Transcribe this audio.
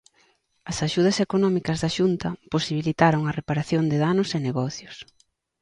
As axudas económicas da Xunta posibilitaron a reparación de danos e negocios.